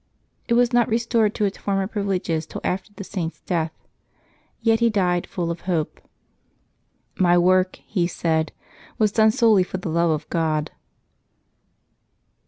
It was not restored to its former privileges till after the Saint's death. Yet he died full of hope. " Mv work," he said, ''' was done solely for the love of God.''